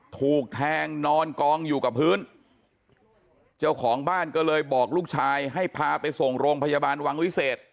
ถูกแทงนอนกองอยู่กับพื้นเจ้าของบ้านก็เลยบอกลูกชายให้พาไปส่งโรงพยาบาลวังวิเศษ